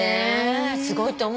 すごいと思うよ。